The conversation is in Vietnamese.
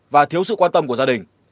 và thiếu sự quan tâm của gia đình